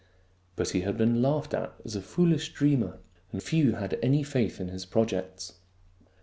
But he had been laughed at as a foolish dreamer, and few people had any faith in his projects.